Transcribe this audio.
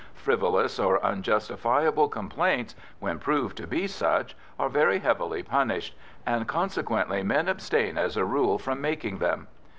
Frivolous or unjustifiable complaints, when proved to be such, are very heavily punished, and consequently men abstain as a rule from making them.